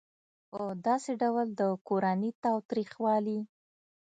په داسې ډول د کورني تاوتریخوالي